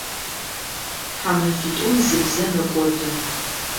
Тхьамэфитӏум зы бзэ мэкӏоды.